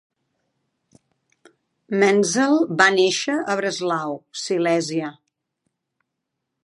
Menzel va néixer a Breslau, Silèsia.